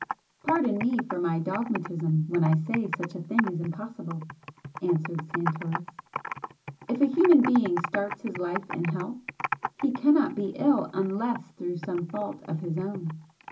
"Pardon me for my dogmatism when I say such a thing is impossible" answered Santoris "If a human being starts his life in health he cannot be ill UNLESS through some fault of his own.